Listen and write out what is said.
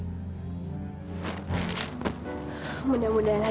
populasi aussi jadi ia kukira baru aja kami